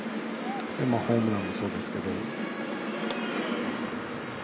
ホームランもそうですけど。